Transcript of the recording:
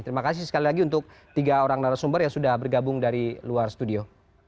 terima kasih sekali lagi untuk tiga orang narasumber yang sudah bergabung dari luar studio